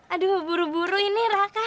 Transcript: aduh buru buru ini raka